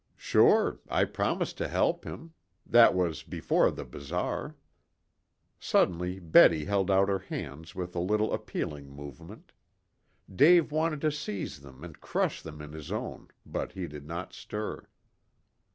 "Sure, I promised to help him. That was before the bazaar." Suddenly Betty held out her hands with a little appealing movement. Dave wanted to seize them and crush them in his own, but he did not stir.